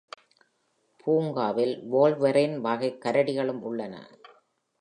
பூங்காவில் wolverine வகைக் கரடிகளும் உள்ளன.